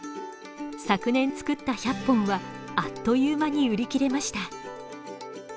昨年作った１００本はあっという間に売り切れました。